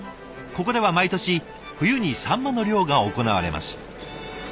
ここでは毎年冬にサンマの漁が行われます。